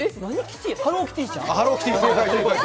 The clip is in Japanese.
ハローキティちゃん？